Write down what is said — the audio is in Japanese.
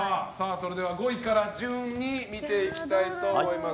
それでは５位から順に見ていきたいと思います。